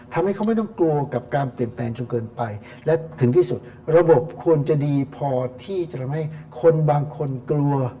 ทำให้เขาไม่ต้องกลัวกับการเปลี่ยนแปลงจนเกินไปและถึงที่สุดระบบควรจะดีพอที่จะทำให้คนบางคนกลัว